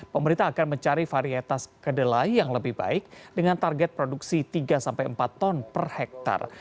pemerintah akan mencari varietas kedelai yang lebih baik dengan target produksi tiga sampai empat ton per hektare